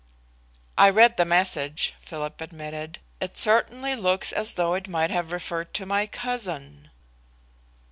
"I read the message," Philip admitted. "It certainly looks as though it might have referred to my cousin."